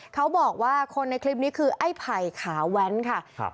เขาบอกว่าคนในคลิปนี้คือไอ้ไผ่ขาแว้นค่ะครับ